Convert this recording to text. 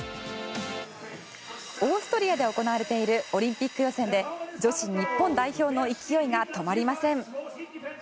オーストリアで行われているオリンピック予選で女子日本代表の勢いが止まりません。